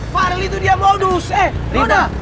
farli itu dia modus eh nona